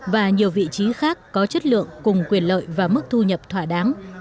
và nhiều vị trí khác có chất lượng cùng quyền lợi và mức thu nhập thỏa đáng